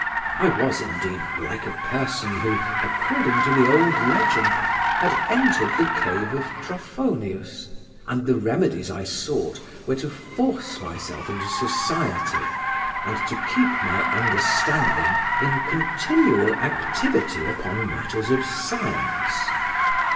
I was, indeed, like a person who, according to the old legend, had entered the cave of Trophonius; and the remedies I sought were to force myself into society, and to keep my understanding in continual activity upon matters of science.